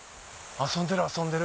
遊んでる遊んでる。